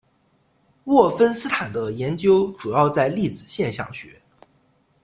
沃芬斯坦的研究主要在粒子现象学。